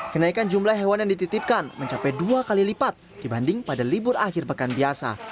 kenaikan jumlah hewan yang dititipkan mencapai dua kali lipat dibanding pada libur akhir pekan biasa